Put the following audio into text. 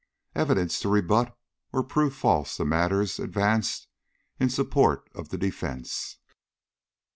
"Evidence to rebut or prove false the matters advanced in support of the defence."